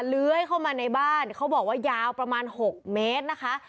เลื้อยเข้ามาในบ้านเขาบอกว่ายาวประมาณ๖เมตรนะคะ